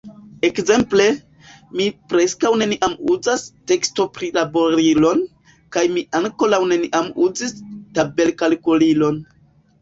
Ekzemple, mi preskaŭ neniam uzas tekstoprilaborilon, kaj mi ankoraŭ neniam uzis tabelkalkulilon.